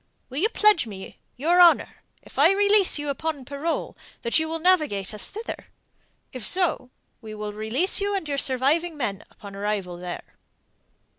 Will you pledge me your honour, if I release you upon parole, that you will navigate us thither? If so, we will release you and your surviving men upon arrival there."